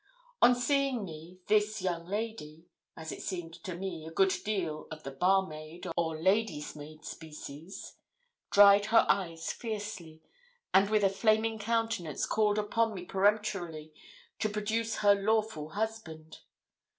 On seeing me, this young lady as it seemed to me, a good deal of the barmaid or lady's maid species dried her eyes fiercely, and, with a flaming countenance, called upon me peremptorily to produce her 'lawful husband.'